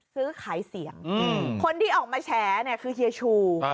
ซื้อขายเสียงคนที่ออกมาแฉเนี่ยคือเฮียชู